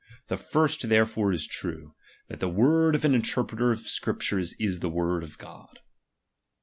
The first therefore is true, that the word of an interpreter of Scriptures i.t the word of God.